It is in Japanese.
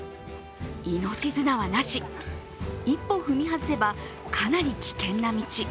命綱はなし、一歩踏み外せばかなり危険な道。